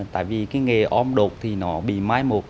tại vì cái nghề ôm đột thì nó bị mai một